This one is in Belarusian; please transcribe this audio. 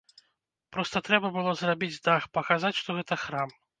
Проста трэба было зрабіць дах, паказаць, што гэта храм.